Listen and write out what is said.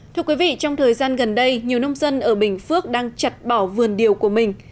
thưa quý vị trong thời gian gần đây nhiều nông dân ở bình phước đang chặt bỏ vườn điều của mình